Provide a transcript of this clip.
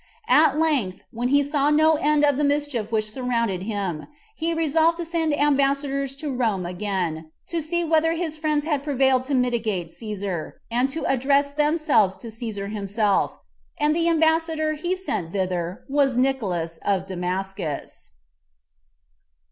At length, when he saw no end of the mischief which surrounded him, he resolved to send ambassadors to Rome again, to see whether his friends had prevailed to mitigate Cæsar, and to address themselves to Cæsar himself; and the ambassador he sent thither was Nicolans of Damascus.